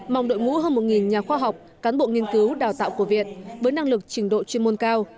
mong đội ngũ hơn một nhà khoa học cán bộ nghiên cứu đào tạo của việt với năng lực trình độ chuyên môn cao